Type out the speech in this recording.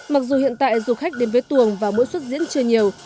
mặc dù hiện tại du khách đến với tuồng và mỗi xuất diễn chưa nhiều